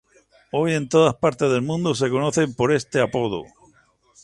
Hoy en todas partes del mundo me conocen por ese apodo"".